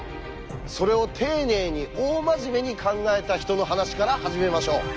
それを丁寧に大真面目に考えた人の話から始めましょう。